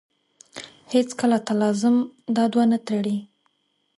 هېڅکله تلازم دا دوه نه تړي.